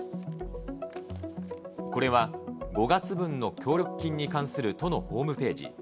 これは、５月分の協力金に関する都のホームページ。